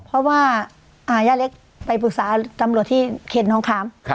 เพราะว่าอ่าย่าเล็กไปปรึกษากำลังที่เข็ดน้องขามค่ะ